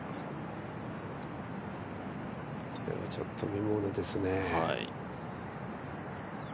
これはちょっと見ものですね。